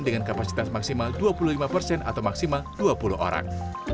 dengan kapasitas maksimal dua puluh lima persen atau maksimal dua puluh orang